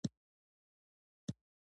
نجلۍ سترګې رډې او وینې بهېدلې.